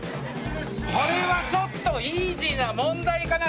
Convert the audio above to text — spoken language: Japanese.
これはちょっとイージーな問題かな。